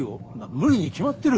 無理に決まってる。